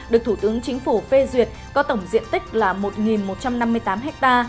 được thủ tướng chính phủ phê duyệt có tổng diện tích là một một trăm năm mươi tám ha